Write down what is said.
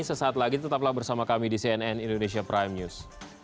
sesaat lagi tetaplah bersama kami di cnn indonesia prime news